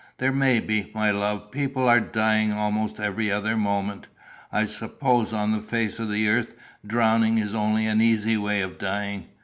"There may be, my love. People are dying almost every other moment, I suppose, on the face of the earth. Drowning is only an easy way of dying.